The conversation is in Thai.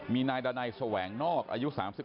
มีนายแสวงนอกอายุ๓๑